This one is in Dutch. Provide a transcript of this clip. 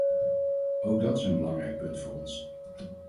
Ook dat is een belangrijk punt voor ons.